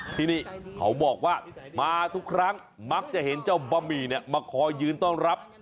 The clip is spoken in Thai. ที่นี่เขาบอกว่ามาทุกครั้งมักจะเห็นเจ้าบะหมี่มาคอยยืนต้อนรับ